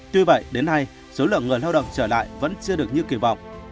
tuy vậy đến nay số lượng người lao động trở lại vẫn chưa được như kỳ vọng